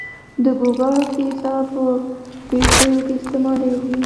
د ګوګړو تیزاب په بټریو کې استعمالیږي.